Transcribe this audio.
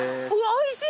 おいしい！